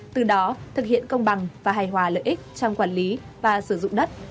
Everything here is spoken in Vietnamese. từ đó thực hiện công bằng và hài hòa lợi ích trong quản lý và sử dụng đất